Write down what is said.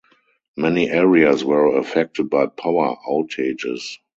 Many areas were affected by power outages.